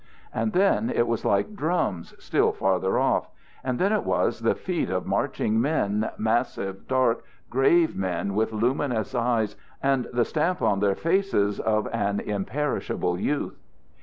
And then it was like drums, still farther off. And then it was the feet of marching men, massive, dark, grave men with luminous eyes, and the stamp on their faces of an imperishable youth.